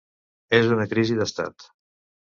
És una crisi d’estat.